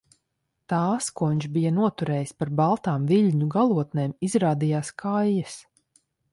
Tās, ko viņš bija noturējis par baltām viļņu galotnēm, izrādījās kaijas.